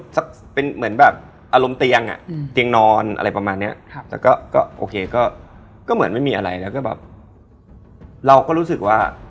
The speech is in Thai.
เตียงนอนคือแบบ